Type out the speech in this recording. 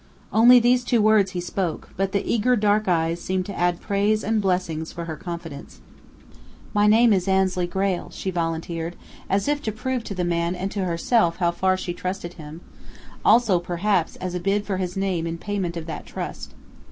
Only these two words he spoke, but the eager dark eyes seemed to add praise and blessings for her confidence. "My name is Annesley Grayle," she volunteered, as if to prove to the man and to herself how far she trusted him; also perhaps as a bid for his name in payment of that trust.